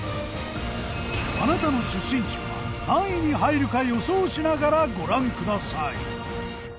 あなたの出身地は何位に入るか予想しながらご覧ください。